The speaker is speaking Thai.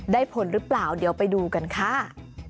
ผลหรือเปล่าเดี๋ยวไปดูกันค่ะ